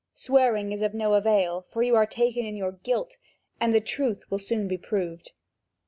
Swearing is of no avail, for you are taken in your guilt, and the truth will soon be proved."